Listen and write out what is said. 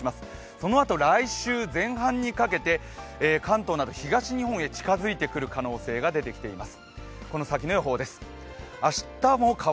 そのあと、来週前半にかけて関東など東日本に近づいてくる可能性が出てきます。